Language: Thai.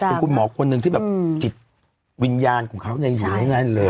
มีคุณหมอกนึงที่จิตวิญญาณของเขายังอยู่แบบนั้นเลย